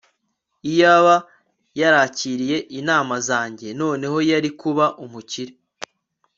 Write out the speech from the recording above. iyaba yarakiriye inama zanjye, noneho yari kuba umukire